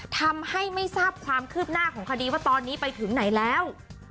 ทำให้ไม่ทราบความคืบหน้าของคดีว่าตอนนี้ไปถึงไหนแล้ว